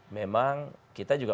memang kita juga